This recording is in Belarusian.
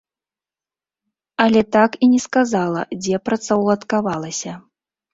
Але так і не сказала, дзе працаўладкавалася.